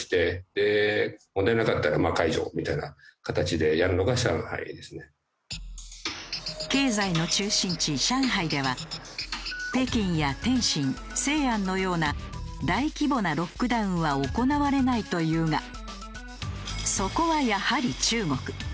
これに経済の中心地上海では北京や天津西安のような大規模なロックダウンは行われないというがそこはやはり中国。